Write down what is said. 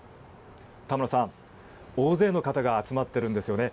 田村さん、大勢の方が集まっているんですよね。